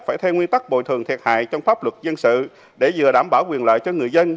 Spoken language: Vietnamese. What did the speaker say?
phải theo nguyên tắc bồi thường thiệt hại trong pháp luật dân sự để vừa đảm bảo quyền lợi cho người dân